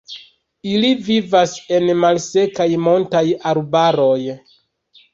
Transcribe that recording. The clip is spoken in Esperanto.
Ili vivas en malsekaj montaj arbaroj.